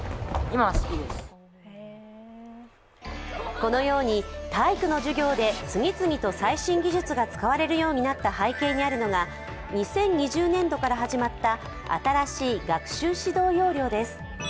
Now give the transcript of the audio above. このように体育の授業で次々と最新技術が使われるようになった背景にあるのが２０２０年度から始まった新しい学習指導要領です。